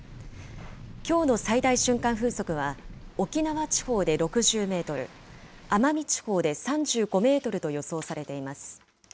きょうの最大瞬間風速は、沖縄地方で６０メートル、奄美地方で３５メートルと予想されています。